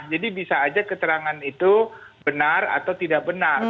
jadi bisa saja keterangan itu benar atau tidak benar